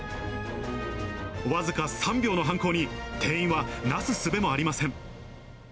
僅か３秒の犯行に、店員はなすすべもありません。